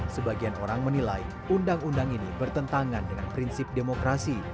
sebagian orang menilai undang undang ini bertentangan dengan prinsip demokrasi